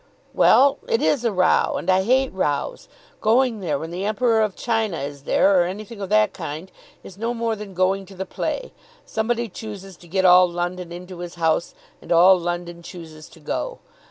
"Well; it is a row, and I hate rows. Going there when the Emperor of China is there, or anything of that kind, is no more than going to the play. Somebody chooses to get all London into his house, and all London chooses to go.